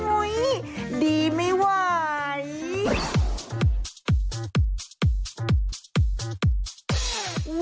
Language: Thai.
อุ๊ยดีไม่ไหว